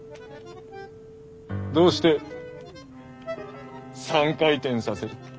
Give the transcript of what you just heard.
どうして「三回転」させる？